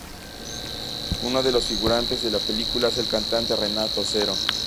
Uno de los figurantes de la película es el cantante Renato Zero.